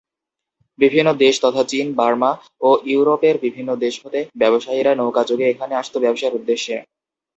বিভিন্ন দেশ তথা চীন, বার্মা ও ইউরোপের বিভিন্ন দেশ হতে ব্যবসায়ীরা নৌকা যোগে এখানে আসত ব্যবসার উদ্দেশ্যে।